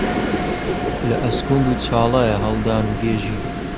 لە ئەسکوند و چاڵایە هەڵدان و گێژی